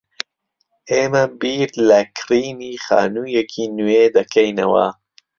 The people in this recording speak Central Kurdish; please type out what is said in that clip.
ئێمە بیر لە کڕینی خانوویەکی نوێ دەکەینەوە.